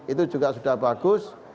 itu juga sudah bagus